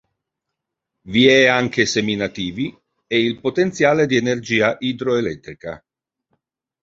Vi è anche seminativi e il potenziale di energia idroelettrica.